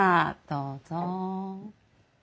どうぞ。